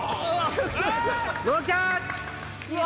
ノーキャッチ！